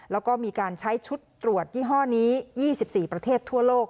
แล้วก็มีการใช้ชุดตรวจยี่ห้อนี้๒๔ประเทศทั่วโลก